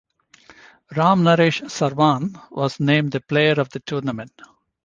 Ramnaresh Sarwan was named the Player of the Tournament.